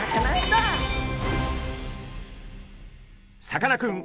さかなクン